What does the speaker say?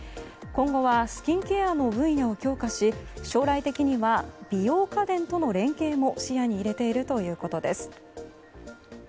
今後はスキンケアの分野を強化し将来的には美容家電との連携も視野に入れているということです。